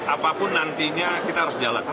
apapun nantinya kita harus jalankan